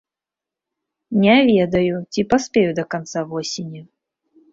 Не ведаю, ці паспею да канца восені.